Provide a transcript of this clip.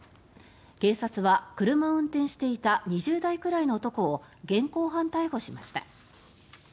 警察は車を運転していた２０代くらいの男を現行犯逮捕しました。